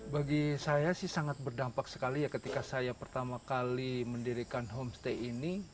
bagi saya sih sangat berdampak sekali ya ketika saya pertama kali mendirikan homestay ini